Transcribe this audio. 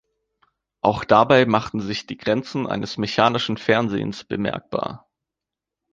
Auch dabei machten sich die Grenzen eines mechanischen Fernsehens bemerkbar.